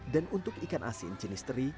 dan untuk ikan asin jenis teri